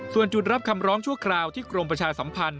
ส่วนจุดรับคำร้องชั่วคราวที่กรมประชาสัมพันธ